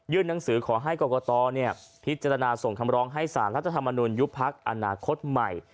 หนังสือขอให้กรกตพิจารณาส่งคำร้องให้สารรัฐธรรมนุนยุบพักอนาคตใหม่